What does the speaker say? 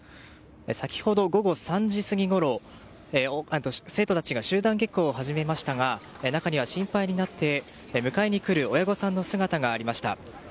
先ほど午後３時過ぎごろ生徒たちが集団下校を始めましたが中には心配になって迎えに来る親御さんの姿がありました。